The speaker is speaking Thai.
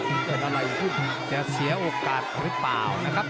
มันเกิดอะไรขึ้นจะเสียโอกาสหรือเปล่านะครับ